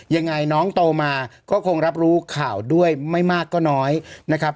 ยังไงน้องโตมาก็คงรับรู้ข่าวด้วยไม่มากก็น้อยนะครับ